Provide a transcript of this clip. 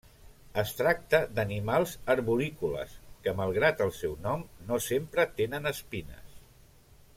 Es tracta d'animals arborícoles que, malgrat el seu nom, no sempre tenen espines.